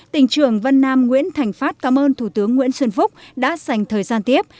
tỉnh trưởng vân nam nguyễn thành phát cảm ơn thủ tướng nguyễn xuân phúc đã dành thời gian tiếp